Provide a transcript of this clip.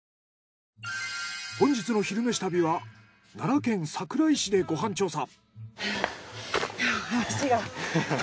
本日の「昼めし旅」は奈良県桜井市でご飯調査。